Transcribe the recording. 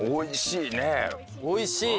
おいしい！